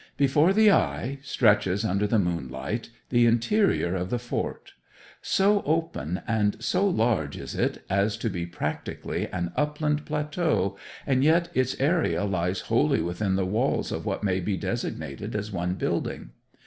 Before the eye stretches under the moonlight the interior of the fort. So open and so large is it as to be practically an upland plateau, and yet its area lies wholly within the walls of what may be designated as one building.